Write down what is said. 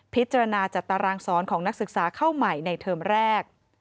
พิจารณาจัดตารางสอนของนักศึกษาเข้าใหม่ในเทอมแรก